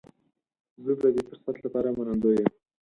زه د دې فرصت لپاره منندوی یم.